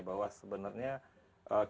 bahwa sebenarnya kita harus operasi